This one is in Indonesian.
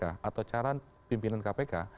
atau cara pimpinan kpk